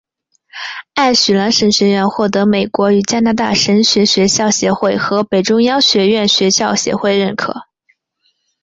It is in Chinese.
爱许兰神学院或得美国与加拿大神学学校协会和北中央学院学校协会认可。